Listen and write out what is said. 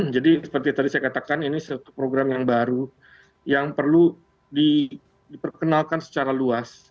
jadi seperti tadi saya katakan ini satu program yang baru yang perlu diperkenalkan secara luas